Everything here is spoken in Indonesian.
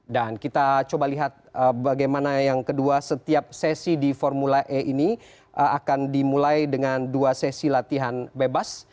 dan kita coba lihat bagaimana yang kedua setiap sesi di formula e ini akan dimulai dengan dua sesi latihan bebas